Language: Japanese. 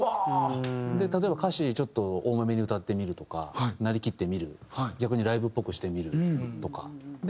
例えば歌詞ちょっと重めに歌ってみるとかなりきってみる逆にライブっぽくしてみるとか。